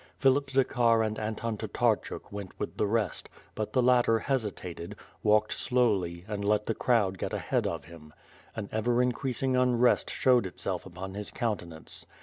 Philip Zakar and Anton Tatarchuk went with the rest, but the latter hesitated, walked slowly and let the crowd get ahead of him. An ever increas ing unrest showed itself upon his countenance.